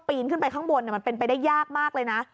นขึ้นไปข้างบนมันเป็นไปได้ยากมากเลยนะ